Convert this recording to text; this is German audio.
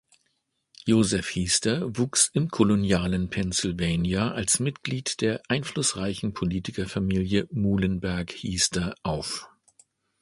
Joseph Hiester wuchs im kolonialen Pennsylvania als Mitglied der einflussreichen Politikerfamilie Muhlenberg-Hiester auf.